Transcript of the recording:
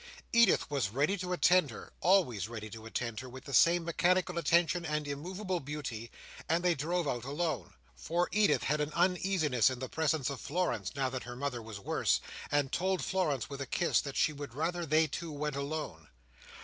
Edith was ready to attend her—always ready to attend her, with the same mechanical attention and immovable beauty—and they drove out alone; for Edith had an uneasiness in the presence of Florence, now that her mother was worse, and told Florence, with a kiss, that she would rather they two went alone.